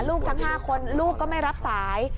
ทั้ง๕คนลูกก็ไม่รับสาย